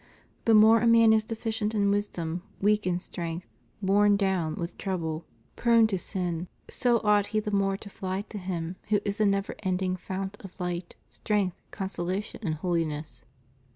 The more a man is deficient in wisdom, weak in strength, borne down with trouble, prone to sin, so ought he the more to fly to Him who is the never ceasing fount of fight, strength, consolation, and holiness.